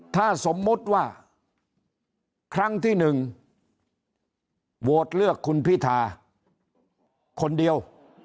ถ้าสมมุติว่าครั้งที่๑โหวตเลือกคุณพิธาคนเดียว